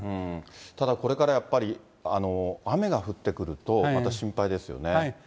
ただこれからやっぱり、雨が降ってくると、また心配ですよね。